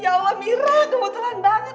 ya allah mira kebetulan banget